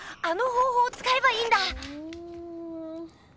あの方ほうをつかえばいいんだ！